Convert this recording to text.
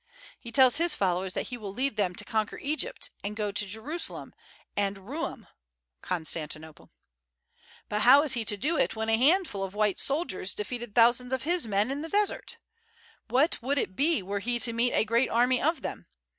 He tells his followers that he will lead them to conquer Egypt, and to go to Jerusalem and Roum (Constantinople). But how is he to do it when a handful of white soldiers defeated thousands of his men in the desert? What would it be were he to meet a great army of them?